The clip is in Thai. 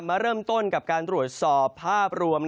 มาเริ่มต้นกับการตรวจสอบภาพรวม